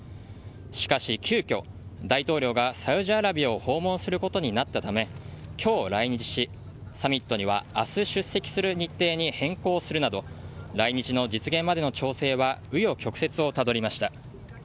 しかし急きょ、大統領がサウジアラビアを訪問することになったため今日来日しサミットには明日出席する日程に変更するなど来日の実現までの調整は紆余曲折をたどりました。